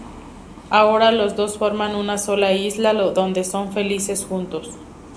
Ahora los dos forman una sola isla donde son felices juntos.